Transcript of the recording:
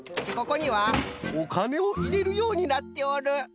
ここにはおかねをいれるようになっておる。